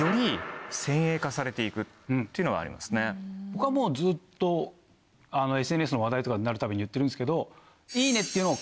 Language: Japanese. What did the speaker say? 僕はもうずっとＳＮＳの話題とかになるたびに言ってるんですけど。